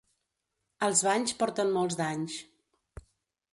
Els banys porten molts danys.